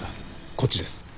こっちです。